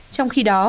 trong khi đó